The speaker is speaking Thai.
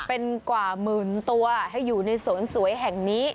เป็นกว่าหมื่นตัวให้อยู่ในสวนสวยแห่งนี้